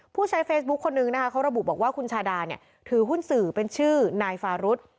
ผู้ใช้เฟซบุ๊คคนนึงนะคะเขาระบุบอกว่าคุณชาดาเนี่ยถือหุ้นสื่อเป็นชื่อนายฟารุธ